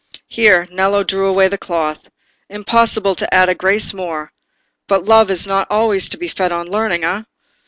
Here Nello drew away the cloth. "Impossible to add a grace more! But love is not always to be fed on learning, eh?